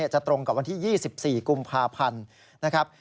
ตรงกับวันที่๒๔กุมภาพันธ์นะครับ